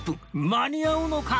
間に合うのか！？